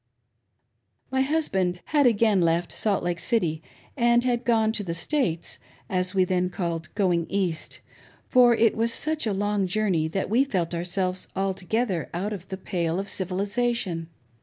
t My husband had again left Salt Lake City, and had gone to ," the States," — as we then called " going East ;" for it was such a long journey that we felt ourselves altogether out of the pale of civilisation.